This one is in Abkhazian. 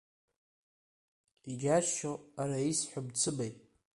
Иџьасшьо, ара исҳәо мцымеи…